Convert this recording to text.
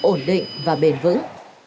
ổn định và bền vững